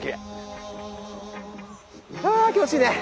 ああ気持ちいいね。